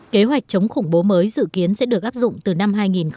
kế hoạch chống khủng bố mới dự kiến sẽ được áp dụng từ năm hai nghìn hai mươi một